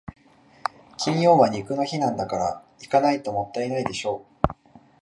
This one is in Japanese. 金曜は肉の日なんだから、行かないともったいないでしょ。